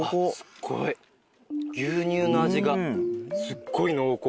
牛乳の味がすっごい濃厚。